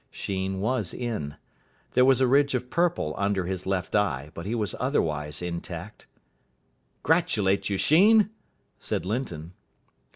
Sheen was in. There was a ridge of purple under his left eye, but he was otherwise intact. "'Gratulate you, Sheen," said Linton.